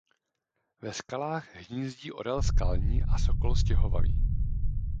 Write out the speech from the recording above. Ve skalách hnízdí orel skalní a sokol stěhovavý.